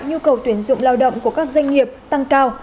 nhu cầu tuyển dụng lao động của các doanh nghiệp tăng cao